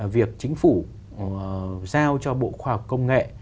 việc chính phủ giao cho bộ khoa công nghệ